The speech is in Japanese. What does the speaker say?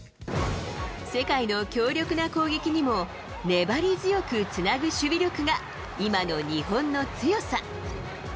世界の強力な攻撃にも粘り強くつなぐ守備力が今の日本の強さ。